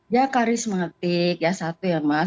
ya karismatik ya satu ya mas